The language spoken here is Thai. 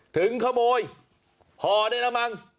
ถึงขโมยห่อได้แล้วมั้ง